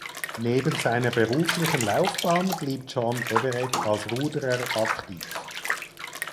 Neben seiner beruflichen Laufbahn blieb John Everett als Ruderer aktiv.